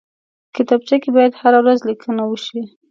کتابچه کې باید هره ورځ لیکنه وشي